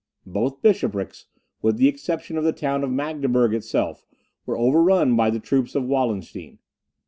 Both bishoprics, with the exception of the town of Magdeburg itself, were overrun by the troops of Wallenstein.